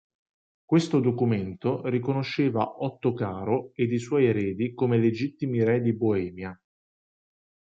Questo documento riconosceva Ottocaro ed i suoi eredi come legittimi re di Boemia.